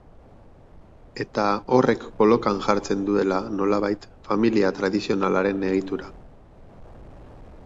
Eta horrek kolokan jartzen duela, nolabait, familia tradizionalaren egitura.